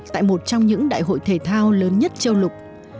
tại một trong những đại hội thể thao lớn nhất châu lục